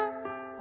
「あ！」